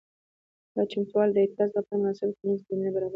دا چمتووالي د اعتراض لپاره مناسبه ټولنیزه زمینه برابروي.